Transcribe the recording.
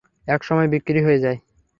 এক সময় বিক্রি হয়ে যায়।